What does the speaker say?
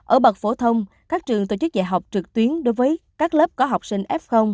ở bậc phổ thông các trường tổ chức dạy học trực tuyến đối với các lớp có học sinh f